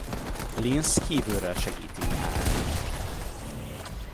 Linc kívülről segíti Michaelt.